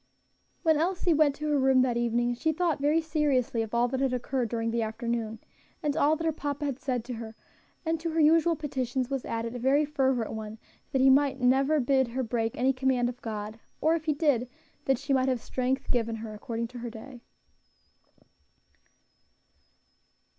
When Elsie went to her room that evening she thought very seriously of all that had occurred during the afternoon, and all that her papa had said to her; and to her usual petitions was added a very fervent one that he might never bid her break any command of God; or if he did, that she might have strength given her according to her day.